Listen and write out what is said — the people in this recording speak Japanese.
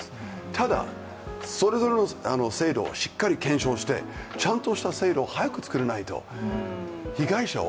ただそれぞれの制度はしっかり検証してちゃんとした制度を早く作らないと、被害者を